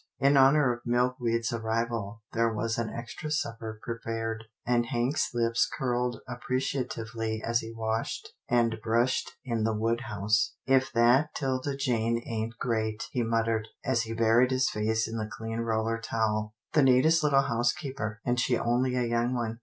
In honour of Milkweed's arrival there was an extra supper prepared, and Hank's lips curled ap preciatively as he washed and brushed in the wood house. "If that 'Tilda Jane ain't great !" he muttered, as he buried his face in the clean roller towel —" the neatest little housekeeper, and she only a young one.